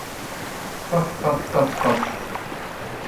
かすかすかすかす